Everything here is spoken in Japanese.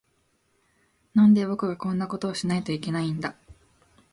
なんで、僕がこんなことをしないといけないんだ。